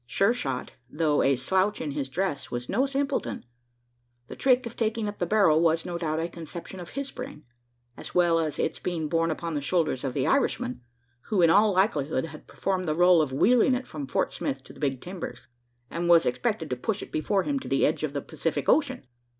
Sure shot, though a slouch in his dress, was no simpleton. The trick of taking up the barrow was, no doubt, a conception of his brain, as well as its being borne upon the shoulders of the Irishman who, in all likelihood, had performed the role of wheeling it from Fort Smith to the Big Timbers, and was expected to push it before him to the edge of the Pacific Ocean!